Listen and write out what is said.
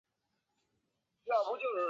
出身于神奈川县横滨市。